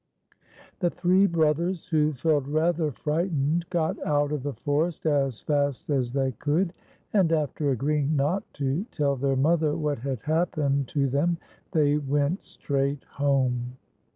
The three brothers, who felt rather frightened, got out of the forest as fast as they could, and after agreeing not to tell their mother what had happened to them, they went straiglit home.